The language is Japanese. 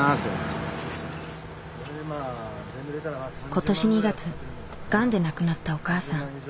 今年２月がんで亡くなったお母さん。